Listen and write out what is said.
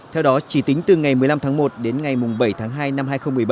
theo đó chỉ tính từ ngày một mươi năm tháng một đến ngày bảy tháng hai năm hai nghìn một mươi ba